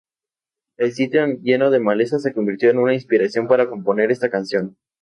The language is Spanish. El sitio, lleno de maleza, se convirtió en una inspiración para componer esta canción.